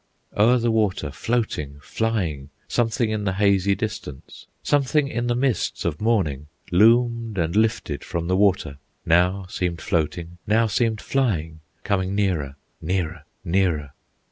O'er the water floating, flying, Something in the hazy distance, Something in the mists of morning, Loomed and lifted from the water, Now seemed floating, now seemed flying, Coming nearer, nearer, nearer.